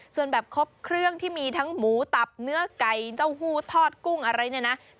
ส่วนแบบครบเครื่องที่มีทั้งหมูตับเนื้อไก่เต้าหู้ทอดกุ้งอะไรเนี่ยนะ